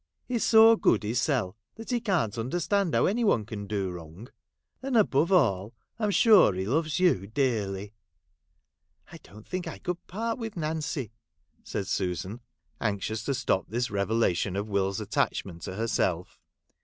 He 's so good lussel, that he can't understand how any one can do wrong ; and, above all, I 'm sure he loves you dearly.' 'I don't think I could part with Nancy,' Charles Dicfceus.j WORK. 35 said Susan, anxious to stop this revelation of Will's attachment to herself.